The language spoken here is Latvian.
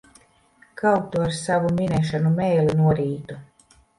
Kaut tu ar savu minēšanu mēli norītu!